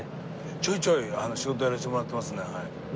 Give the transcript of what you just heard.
ちょいちょい仕事やらせてもらってますね。